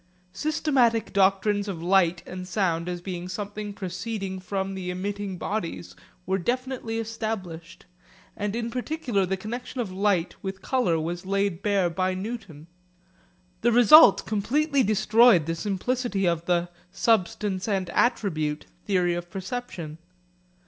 Systematic doctrines of light and sound as being something proceeding from the emitting bodies were definitely established, and in particular the connexion of light with colour was laid bare by Newton. The result completely destroyed the simplicity of the 'substance and attribute' theory of perception.